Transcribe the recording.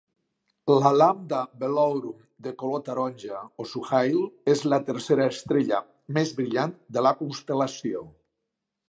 La Lambda Velourum de color taronja, o Suhail, és la tercera estrella més brillant de la constel·lació.